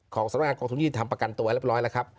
ของสำนักงานกองทุนยิทธิธรรมประกันตัวเรียบร้อยแล้วครับ